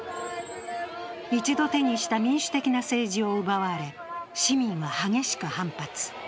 一度手にした民主的な政治を奪われ、市民は激しく反発。